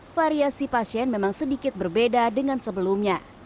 variasi pasien memang sedikit berbeda dengan sebelumnya